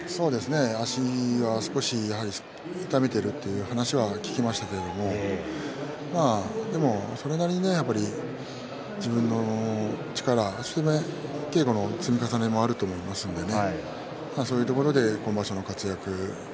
足が少し痛めているという話は聞きましたけれどもそれなりに自分の力を稽古の積み重ねもあると思うのでそういうところで今場所の活躍